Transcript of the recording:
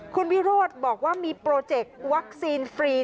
คุณวิโรธบอกว่ามีโปรเจกต์วัคซีนฟรี